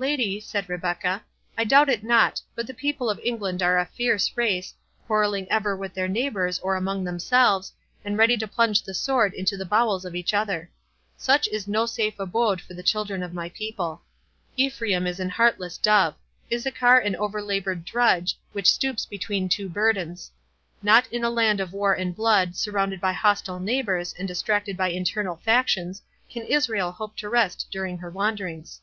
"Lady," said Rebecca, "I doubt it not—but the people of England are a fierce race, quarrelling ever with their neighbours or among themselves, and ready to plunge the sword into the bowels of each other. Such is no safe abode for the children of my people. Ephraim is an heartless dove—Issachar an over laboured drudge, which stoops between two burdens. Not in a land of war and blood, surrounded by hostile neighbours, and distracted by internal factions, can Israel hope to rest during her wanderings."